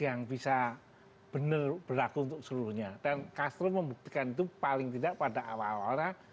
yang bisa benar berlaku untuk seluruhnya dan castro membuktikan itu paling tidak pada awal awal